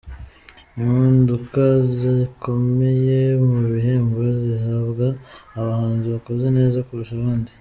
Impinduka zikomeye mubihembo bihabwa amahanzi bakoze neza kurusha abandi